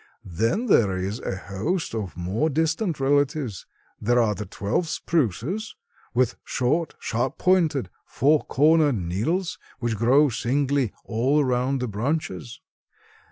Then there is a host of more distant relatives. There are the twelve spruces, with short, sharp pointed, four cornered needles which grow singly all around the branches.